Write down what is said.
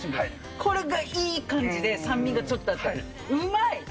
これがいい感じで、酸味がちょっとあって、うまい。